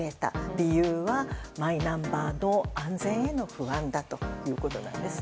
理由はマイナンバーの安全への不安だということなんです。